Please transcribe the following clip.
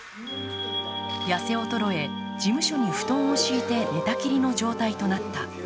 痩せ衰え、事務所に布団を敷いて寝たきりの状態となった。